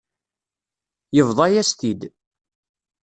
Yebḍa-yas-t-id.